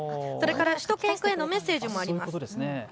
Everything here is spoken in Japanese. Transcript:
しゅと犬くんへのメッセージもあります。